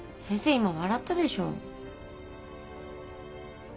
今笑ったでしょ。